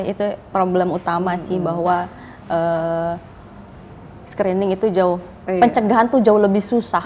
itu problem utama sih bahwa screening itu jauh pencegahan itu jauh lebih susah